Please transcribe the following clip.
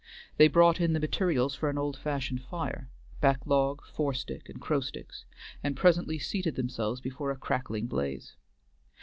They brought in the materials for an old fashioned fire, backlog, forestick, and crowsticks, and presently seated themselves before a crackling blaze.